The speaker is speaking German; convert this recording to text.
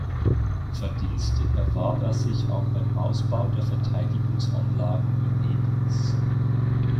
Verdienste erwarb er sich auch beim Ausbau der Verteidigungsanlagen Venedigs.